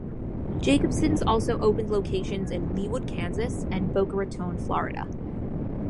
Jacobson's also opened locations in Leawood, Kansas and Boca Raton, Florida.